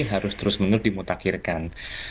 harus terus menerus dimutakhirkan